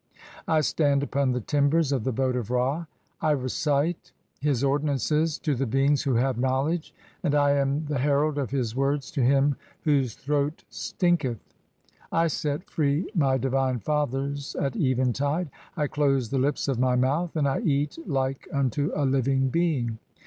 (4) I stand upon the timbers (?) of the boat of Ra, and "I recite his ordinances to the beings who have knowledge, and "I am the herald of his words to him whose throat stinketh. "(5) I set free my divine fathers at eventide. I close the lips of "my mouth, and I eat like unto a living being.